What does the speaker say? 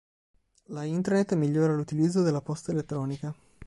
La intranet migliora l'utilizzo della posta elettronica.